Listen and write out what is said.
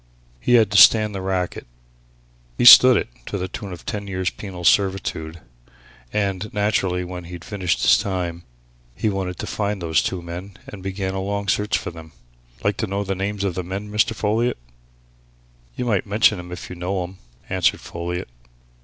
He had to stand the racket. He stood it to the tune of ten years' penal servitude. And, naturally, when he'd finished his time, he wanted to find those two men and began a long search for them. Like to know the names of the men, Mr. Folliot?" "You might mention 'em if you know 'em," answered Folliot.